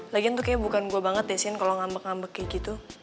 lagian tuh kayaknya bukan gue banget ya sian kalo ngambek ngambek kayak gitu